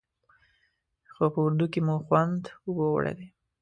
خو په اردو کې مو خوند اوبو وړی دی.